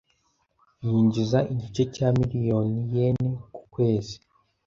Yinjiza igice cya miliyoni yen ku kwezi .